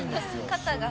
肩が。